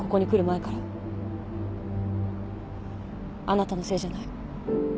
あなたのせいじゃない。